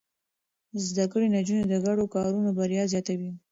زده کړې نجونې د ګډو کارونو بريا زياتوي.